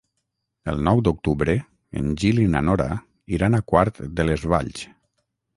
El nou d'octubre en Gil i na Nora iran a Quart de les Valls.